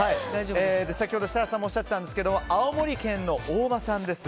先ほど、設楽さんもおっしゃっていましたが青森県の大間産です。